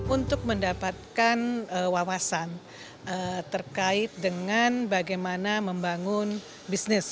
untuk mendapatkan wawasan terkait dengan bagaimana membangun bisnis